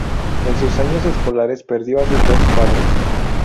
En sus años escolares perdió a sus dos padres.